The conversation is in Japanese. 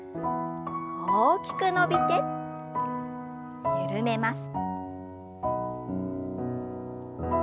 大きく伸びて緩めます。